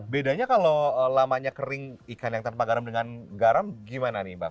bedanya kalau lamanya kering ikan yang tanpa garam dengan garam gimana nih bang